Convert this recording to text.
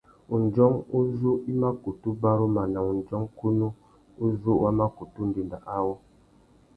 Undjông uzu i mà kutu baruma nà undjông kunú uzu wa mà kutu ndénda awô.